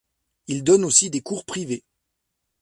Il donne aussi des cours privés.